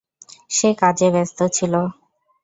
সে কাজে ব্যস্ত ছিল।